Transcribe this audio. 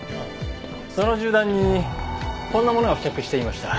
その銃弾にこんなものが付着していました。